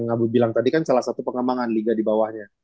ngabu bilang tadi kan salah satu pengembangan liga di bawahnya